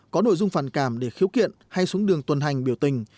có nội dung phản cảm để khiếu kiện hay xuống đường tuần hành biểu tình